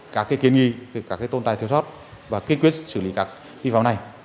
các kiến nghi các tôn tài thiếu sót và kết quyết xử lý các vi phạm này